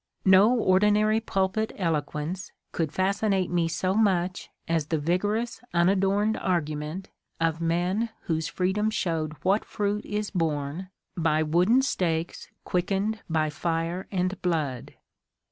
No ordi nary pulpit eloquence could fascinate me so much as the vigorous unadorned argument of men whose freedom showed what fruit is borne by wooden stakes quickened by fire and blood.